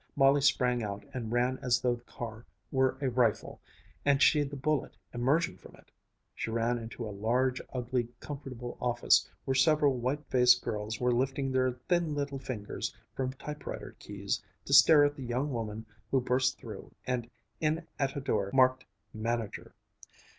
Molly sprang out and ran as though the car were a rifle and she the bullet emerging from it. She ran into a large, ugly, comfortable office, where several white faced girls were lifting their thin little fingers from typewriter keys to stare at the young woman who burst through and in at a door marked "Manager."